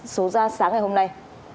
số ra sáng ngày hôm nay